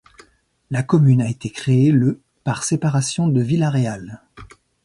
La commune a été créée le par séparation de Vila-real.